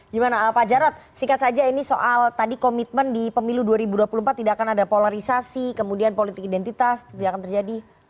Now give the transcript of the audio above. gimana pak jarod singkat saja ini soal tadi komitmen di pemilu dua ribu dua puluh empat tidak akan ada polarisasi kemudian politik identitas tidak akan terjadi